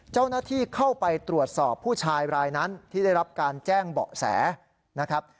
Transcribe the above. เจ้าหน้าที่เข้าไปตรวจสอบผู้ชายรายนั้นที่ได้รับการแจ้งเบาะแสนะครับ